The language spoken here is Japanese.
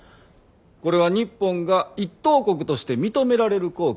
これは日本が一等国として認められる好機。